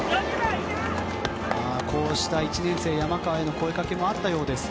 こうした１年生、山川への声掛けもあったようです。